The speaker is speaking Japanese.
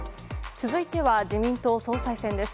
続いては自民党総裁選です。